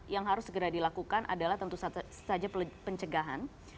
yang harus segera dilakukan adalah tentu saja pencegahan